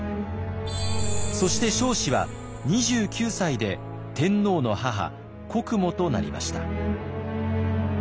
そして彰子は２９歳で天皇の母国母となりました。